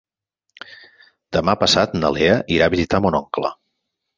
Demà passat na Lea irà a visitar mon oncle.